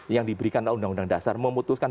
yang diberikan undang undang dasar memutuskan